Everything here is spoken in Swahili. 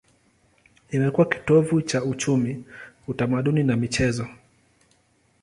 Imekuwa kitovu cha uchumi, utamaduni na michezo.